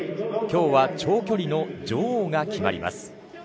今日は長距離の女王が決まります。